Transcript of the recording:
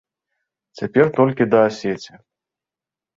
Цяпер толькі да асеці.